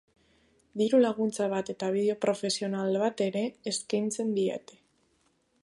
Diru laguntza bat eta bideo profesional bat ere eskeintzen diete.